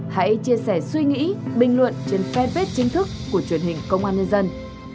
hãy chia sẻ suy nghĩ bình luận trên fanpage chính thức của truyền hình công an nhân dân